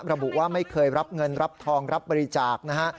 ระบุว่าไม่เคยรับเงินรับทองรับบริจาคนะฮะ